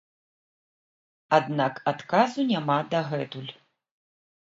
Аднак адказу няма дагэтуль.